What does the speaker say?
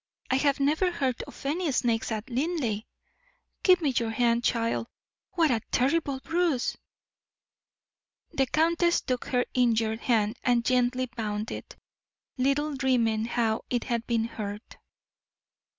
"I have never heard of any snakes at Linleigh. Give me your hand, child. What a terrible bruise!" The countess took her injured hand and gently bound it, little dreaming how it had been hurt.